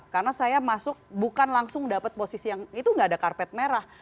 karena saya masuk bukan langsung dapat posisi yang itu nggak ada karpet merah